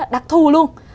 đặc thù luôn